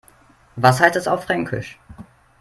Was heißt das auf Fränkisch?